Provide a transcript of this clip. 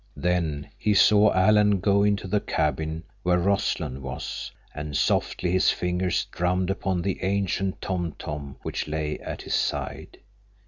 Then he saw Alan go into the cabin where Rossland was, and softly his fingers drummed upon the ancient tom tom which lay at his side.